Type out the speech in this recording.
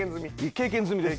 経験済みです。